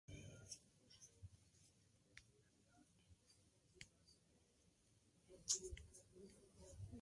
La ocupación del lugar por los americanos permitió acelerar el desarrollo del pueblo.